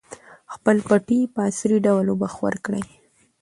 خپلې پټۍ په عصري ډول اوبخور کړئ.